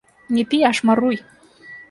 Не пі, а шмаруй.